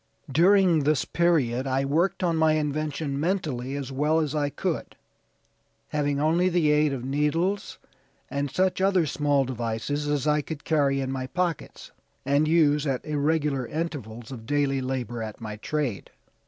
During this period I worked on my invention mentally as much as I could, having only the aid of needles and such other small devices as I could carry in my pockets, and use at irregular intervals of daily labor at my trade.